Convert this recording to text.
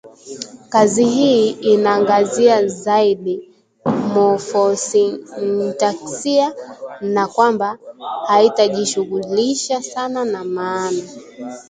Kazi hii inaangazia zaidi mofosintaksia na kwamba haitajishughulisha sana na maana